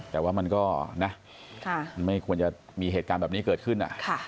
แต่ว่ามันก็นะมันไม่ควรจะมีเหตุการณ์แบบนี้เกิดขึ้น